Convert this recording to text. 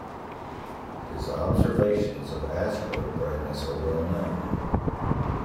His observations of asteroid brightness are well known.